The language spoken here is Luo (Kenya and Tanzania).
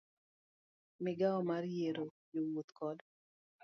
Migawo mar Yiero Jowuoth kod